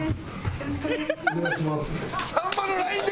よろしくお願いします。